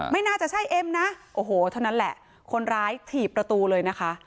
ไม่น่าจะใช่เอ็มนะโอ้โหเท่านั้นแหละคนร้ายถีบประตูเลยนะคะ